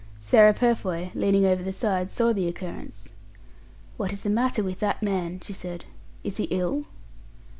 Sarah Purfoy, leaning over the side, saw the occurrence. "What is the matter with that man?" she said. "Is he ill?"